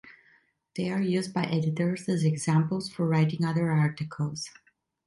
They are used by editors as examples for writing other articles.